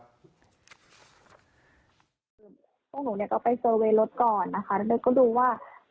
พวกหนูก็ไปเซอร์เวย์รถก่อนนะคะแล้วเราก็ดูว่า